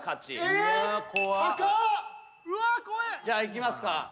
じゃあいきますか。